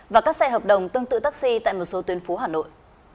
và các xe hợp đồng tương tự taxi tại một số tuyến phố hà nội